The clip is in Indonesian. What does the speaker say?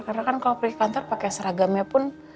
karena kan kalo pergi kantor pake seragamnya pun